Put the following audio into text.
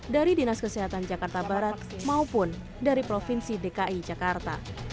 dari dinas kesehatan jakarta barat maupun dari provinsi dki jakarta